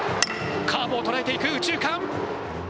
カーブを捉えていく、右中間。